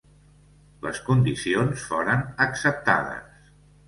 Les condicions foren acceptades.